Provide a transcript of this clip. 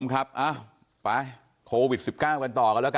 ครับอ่าไปโควิดสิบเก้ากันต่อกันแล้วกัน